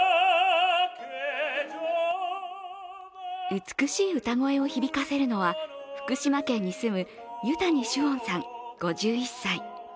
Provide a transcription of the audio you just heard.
美しい歌声を響かせるのは福島県に住む油谷充恩さん、５１歳。